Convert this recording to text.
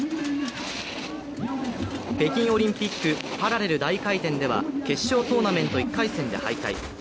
北京オリンピック・パラレル大回転では決勝トーナメント１回戦で敗退。